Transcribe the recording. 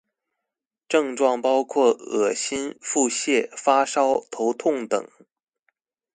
症狀包括噁心、腹瀉、發燒、頭痛等